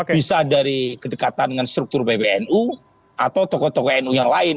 bisa dari kedekatan dengan struktur pbnu atau tokoh tokoh nu yang lain